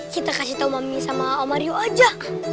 kita kasih tau mami sama om mario aja